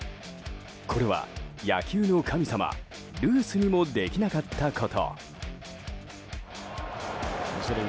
これは、野球の神様ルースにもできなかったこと。